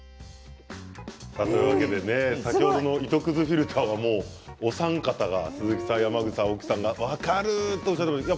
先ほどの糸くずフィルターはお三方が鈴木さん、山口さん、青木さんが分かるとおっしゃっていました。